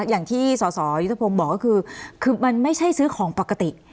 อย่างที่สสยุทธพงศ์บอกก็คือคือมันไม่ใช่ซื้อของปกติ